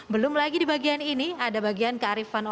belum lagi di bagian ini ada bagian kearifan